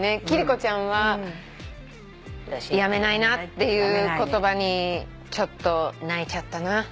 貴理子ちゃんは「辞めないな」っていう言葉にちょっと泣いちゃったな。